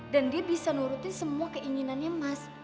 dan dia bisa nurutin semua keinginannya mas